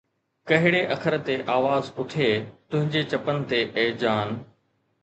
ڪھڙي اکر تي آواز اٿئي تنھنجي چپن تي اي جان؟